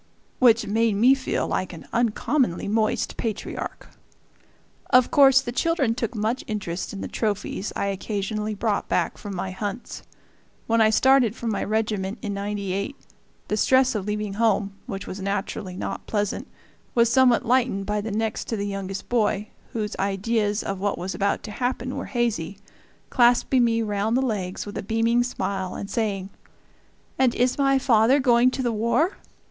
which made me feel like an uncommonly moist patriarch. Of course the children took much interest in the trophies I occasionally brought back from my hunts. When I started for my regiment, in '98, the stress of leaving home, which was naturally not pleasant, was somewhat lightened by the next to the youngest boy, whose ideas of what was about to happen were hazy, clasping me round the legs with a beaming smile and saying, "And is my father going to the war?